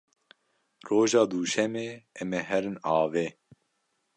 Roja duşemê em ê herin avê.